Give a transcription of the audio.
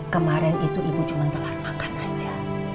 kemarin itu ibu cuma telah makan aja